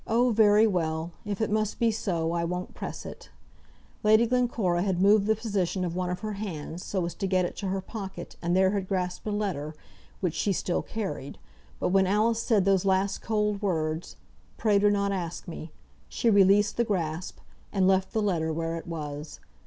"Oh! very well. If it must be so, I won't press it." Lady Glencora had moved the position of one of her hands so as to get it to her pocket, and there had grasped a letter, which she still carried; but when Alice said those last cold words, "Pray do not ask me," she released the grasp, and left the letter where it was.